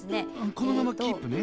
このままキープね。